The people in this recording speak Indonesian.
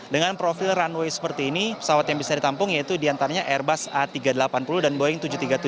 dengan profil runway seperti ini pesawat yang bisa ditampung yaitu diantaranya airbus a tiga ratus delapan puluh dan boeing tujuh ratus tiga puluh tujuh